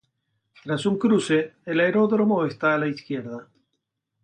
Tras un cruce, el aeródromo está a la izquierda.